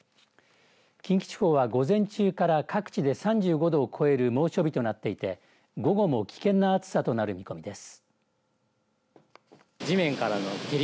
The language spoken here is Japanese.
近畿地方は午前中から各地で３５度を超える猛暑日となっていて午後も危険な暑さとなる見込みです。